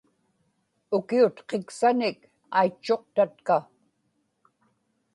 ukiutqiksanik aitchuqtatka